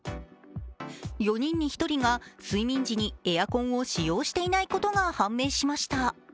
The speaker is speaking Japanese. ４人に１人が睡眠時にエアコンを使用していないことが判明しました。